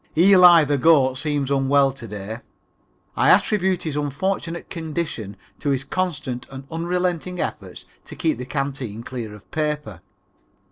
Eli, the goat, seems unwell to day. I attribute his unfortunate condition to his constant and unrelenting efforts to keep the canteen clear of paper.